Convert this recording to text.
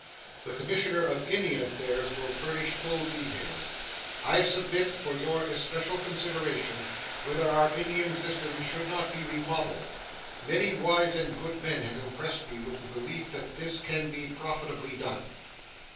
The Commissioner of Indian Affairs will furnish full details. I submit for your especial consideration whether our Indian system shall not be remodeled. Many wise and good men have impressed me with the belief that this can be profitably done.